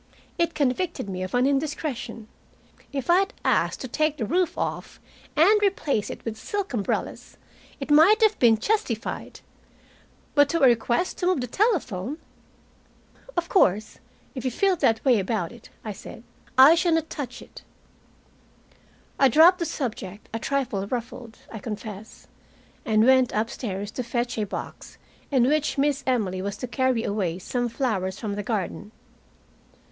It convicted me of an indiscretion. If I had asked to take the roof off and replace it with silk umbrellas, it might have been justified. But to a request to move the telephone! "Of course, if you feel that way about it," I said, "I shall not touch it." I dropped the subject, a trifle ruffled, I confess, and went upstairs to fetch a box in which Miss Emily was to carry away some flowers from the garden.